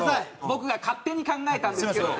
「僕が勝手に考えたんですけど」。